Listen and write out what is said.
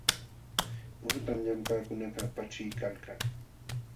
Muhutam llamkaqkunakaq paćhiykalka.